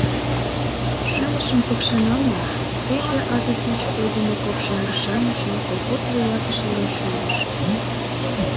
— шӱлышым пыкше налын, Федя ате тич погымо копшаҥге-шамычым колхоз вуйлатышылан шуйыш.